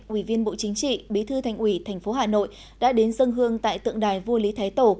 ủy viên bộ chính trị bí thư thành ủy tp hà nội đã đến dân hương tại tượng đài vua lý thái tổ